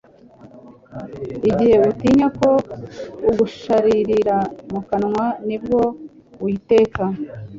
igihe utinya ko igusharirira mu kanwa nibwo uyiteka